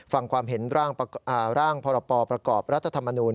ฟังความเห็นร่างพรปประกอบรัฐธรรมนูล